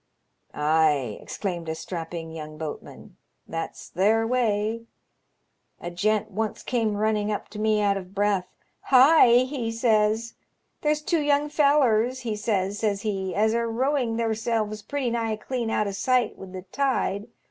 "*' Ay," exclaimed a strapping young boatman, " that's their way. A gent once came running up to me out of breath. * Hi !' he says, ' there's two young fellars,' he says, says he, * as are rowing theirselves pretty nigh clean out o' sight with the tide.